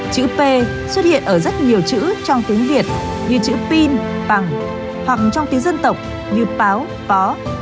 chữ p xuất hiện ở rất nhiều chữ trong tiếng việt như chữ pin bằng hoặc trong tiếng dân tộc như báo pó